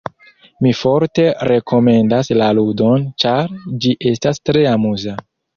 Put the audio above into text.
Mi forte rekomendas la ludon, ĉar ĝi estas tre amuza.